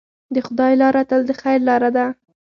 د خدای لاره تل د خیر لاره ده.